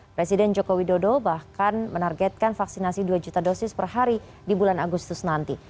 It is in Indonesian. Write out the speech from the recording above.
presiden joko widodo bahkan menargetkan vaksinasi dua juta dosis per hari di bulan agustus nanti